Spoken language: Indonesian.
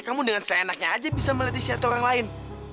kamu dengan seenaknya aja bisa melihat isi hati orang lain